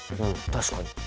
確かに。